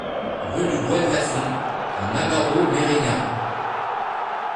Rue du Bois de la Font à Masbaraud-Mérignat